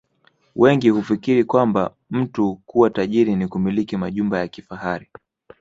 Wengi hufikiri kwamba mtu kuwa tajiri ni kumiliki majumba ya kifahari